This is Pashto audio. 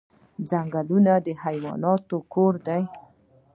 ځنګلونه د حیواناتو کور دی